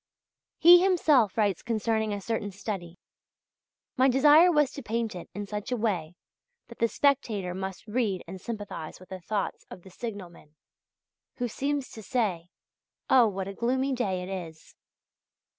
He himself writes concerning a certain study: "My desire was to paint it in such a way that the spectator must read and sympathize with the thoughts of the signalman ... who seems to say: 'Oh, what a gloomy day it is!